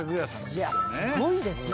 いやすごいですね。